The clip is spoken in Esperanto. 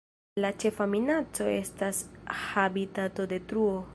La ĉefa minaco estas habitatodetruo.